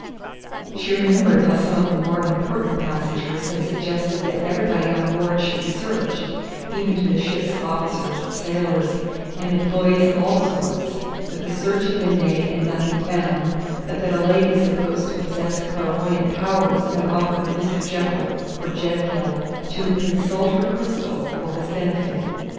She remembered how some of the more important passengers had suggested that everybody on board should be searched, even to the ship's officers, sailors, and employés of all sorts; that the search had been made and nothing found, but that a lady supposed to possess clairvoyant powers had offered Mr. Jekyll or Jedkill to consult her crystal for his benefit.